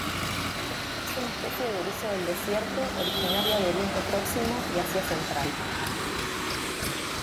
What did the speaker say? Es una especie de erizo del desierto originaria de Oriente Próximo y Asia Central.